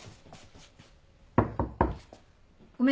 ごめん。